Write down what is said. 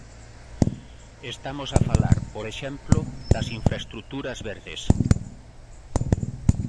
Estamos a falar, por exemplo, das infraestruturas verdes.